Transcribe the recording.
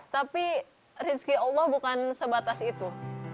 tapi rizki allah bukan sebatas itu